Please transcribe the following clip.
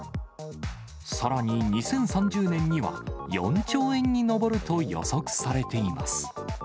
さらに２０３０年には、４兆円に上ると予測されています。